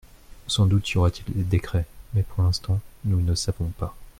Sans doute y aura-t-il des décrets, mais pour l’instant nous ne savons pas.